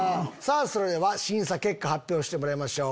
それでは審査結果発表してもらいましょう。